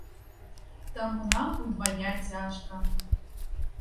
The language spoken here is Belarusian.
Таму нам удвая цяжка.